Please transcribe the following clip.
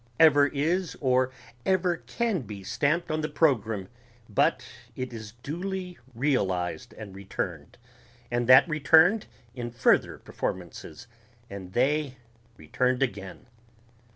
ever is or ever can be stamped on the programme but it is duly realized and returned, and that returned in further performances ... and they returned again.